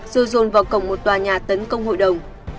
rồi dồn vào cổng một tòa nhà tấn công hội đồng